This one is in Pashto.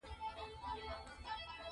دغو بدلونونو ګواتیمالا سخته اغېزمنه کړه.